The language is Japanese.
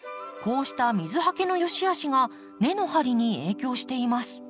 こうした水はけのよしあしが根の張りに影響しています。